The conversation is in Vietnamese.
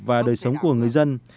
và đời sống của người dân